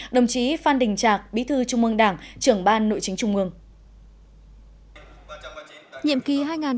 đồng chí phan đình trạc bí thư trung mương đảng trưởng ban nội chính trung mương